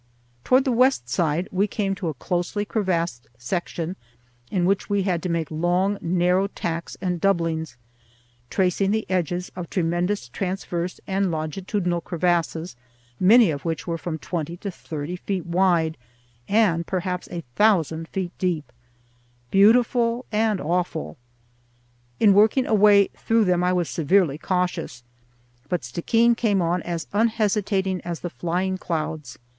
Toward the west side we came to a closely crevassed section in which we had to make long, narrow tacks and doublings, tracing the edges of tremendous transverse and longitudinal crevasses, many of which were from twenty to thirty feet wide, and perhaps a thousand feet deep—beautiful and awful. In working a way through them I was severely cautious, but Stickeen came on as unhesitating as the flying clouds.